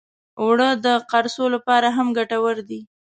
اوړه د قرصو لپاره هم ګټور دي